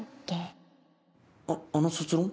あの卒論？